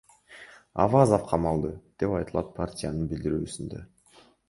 Авазов камалды, — деп айтылат партиянын билдирүүсүндө.